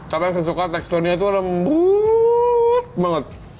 tapi sesuka teksturnya itu lembuuut banget